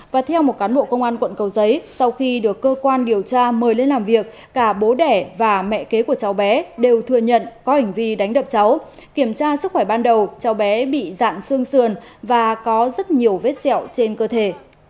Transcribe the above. và theo một cán bộ công an quận cầu giấy sau khi được cơ quan điều tra mời lên làm việc cả bố đẻ và mẹ kế của cháu bé đều thừa nhận có hành vi đánh đập cháu kiểm tra sức khỏe ban đầu cháu bé bị dạn xương và có rất nhiều vết sẹo trên cơ thể